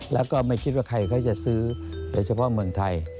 แล้วก็ไม่คิดว่าใครเขาจะซื้อโดยเฉพาะเมืองไทย